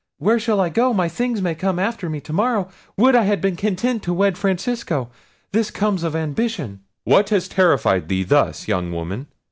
Where shall I go? my things may come after me to morrow—would I had been content to wed Francesco! this comes of ambition!" "What has terrified thee thus, young woman?"